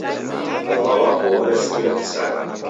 W'aw'a wapo waw'esikira kisaya